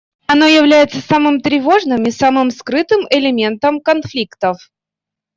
Оно является самым тревожным и самым скрытым элементом конфликтов.